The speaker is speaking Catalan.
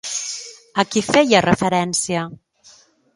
A qui feia referència?